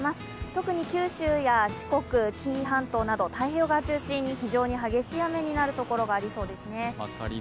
特に九州や四国、紀伊半島など太平洋側中心に非常に激しい雨になるところがありそうですね。